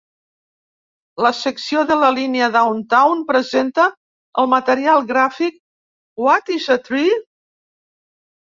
La secció de la línia Downtown presenta el material gràfic "What is a Tree?